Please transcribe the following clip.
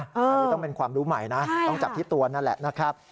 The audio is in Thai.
อันนี้ต้องเป็นความรู้ใหม่นะต้องจับที่ตัวนั่นแหละนะครับ